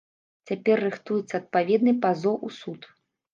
Цяпер рыхтуецца адпаведны пазоў у суд.